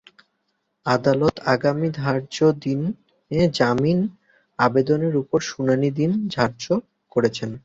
আদালত আগামী ধার্য দিনে জামিন আবেদনের ওপর শুনানির দিন ধার্য করেছেন।